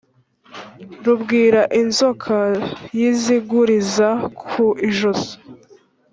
rubwira inzoka yizinguriza ku ijosi